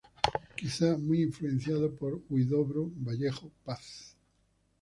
Quizás muy influenciado por Huidobro, Vallejo, Paz.